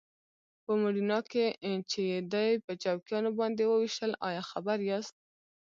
په موډینا کې چې یې دی په چوکیانو باندې وويشتل ایا خبر یاست؟